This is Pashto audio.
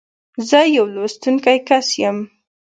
زه يو لوستونکی کس یم.